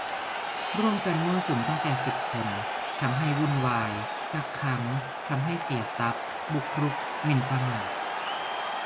"ร่วมกันมั่วสุมตั้งแต่สิบคน ทำให้วุ่นวาย กักขัง ทำให้เสียทรัพย์ บุกรุก หมิ่นประมาท"